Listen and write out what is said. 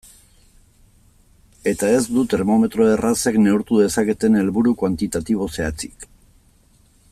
Eta ez du termometro errazek neurtu dezaketen helburu kuantitatibo zehatzik.